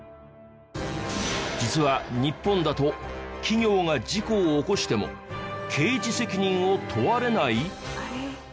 実は日本だと企業が事故を起こしても刑事責任を問われない？